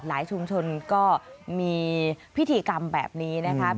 ชุมชนก็มีพิธีกรรมแบบนี้นะครับ